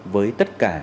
với tất cả